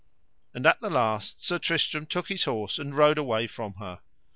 And at the last Sir Tristram took his horse and rode away from her.